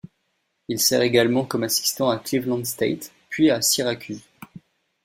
Il sert également comme assistant à Cleveland State, puis à Syracuse.